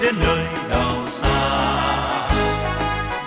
đã được thực hiện